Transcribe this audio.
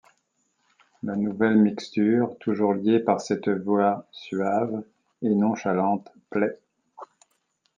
La nouvelle mixture, toujours liée par cette voix suave et nonchalante, plaît.